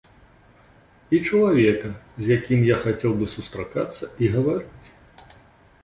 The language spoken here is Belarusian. І чалавека, з якім я хацеў бы сустракацца і гаварыць.